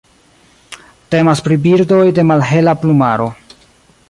Temas pri birdoj de malhela plumaro.